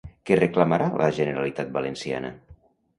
Què reclamarà la Generalitat Valenciana?